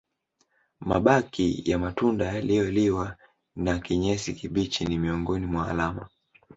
Mabaki ya matunda yaliyoliwa na kinyesi kibichi ni miongoni mwa alama